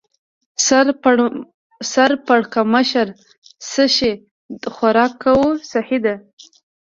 سر پړکمشر: څه شی؟ خوراک کوه، سهي ده.